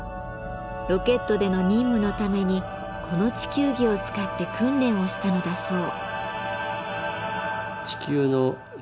ロケットでの任務のためにこの地球儀を使って訓練をしたのだそう。